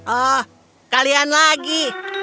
oh kalian lagi